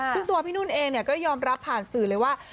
ซึ่งตัวพี่นุ่นเองก็ยอมรับผ่านสื่อเลยว่า